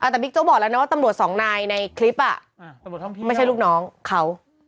แต่บิ๊กโจ๊บอกแล้วนะว่าตำรวจสองนายในคลิปไม่ใช่ลูกน้องเขา